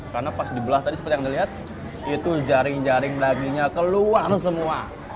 karena pas dibelah tadi seperti yang dilihat itu jaring jaring dagingnya keluar semua